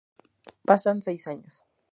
Pasan seis años.